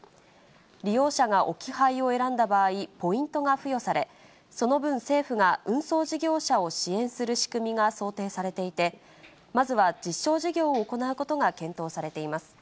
利用者が置き配を選んだ場合、ポイントが付与され、その分、政府が運送事業者を支援する仕組みが想定されていて、まずは実証事業を行うことが検討されています。